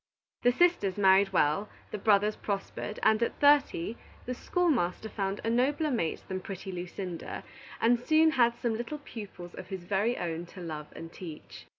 The sisters married well, the brothers prospered, and at thirty, the schoolmaster found a nobler mate than pretty Lucinda, and soon had some little pupils of his very own to love and teach.